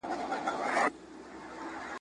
په قلم خط لیکل د پوهي سره د میني څرګندونه ده.